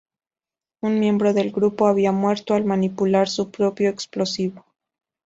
Un miembro del grupo había muerto al manipular su propio explosivo.